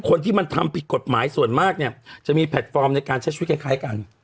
คนที่มันทำผิดกฎหมายส่วนมากเนี่ยจะมีแพลตฟอร์มในการใช้ชีวิตคล้ายกัน